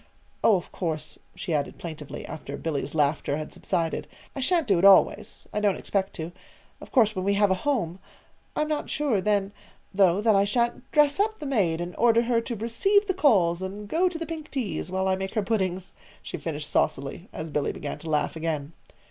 Oh, of course," she added plaintively, after Billy's laughter had subsided, "I sha'n't do it always. I don't expect to. Of course, when we have a house I'm not sure, then, though, that I sha'n't dress up the maid and order her to receive the calls and go to the pink teas, while I make her puddings," she finished saucily, as Billy began to laugh again.